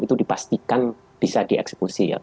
itu dipastikan bisa dieksekusi ya